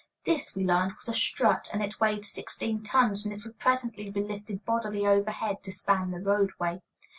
This, we learned, was a "strut," and it weighed sixteen tons, and it would presently be lifted bodily overhead to span the roadway.